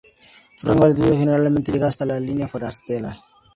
Su rango altitudinal generalmente llega hasta la línea forestal.